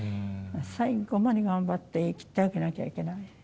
最後まで頑張って生きてあげなきゃいけない。